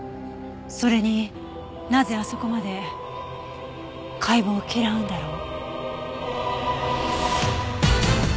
それになぜあそこまで解剖を嫌うんだろう？